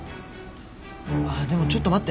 ああでもちょっと待って。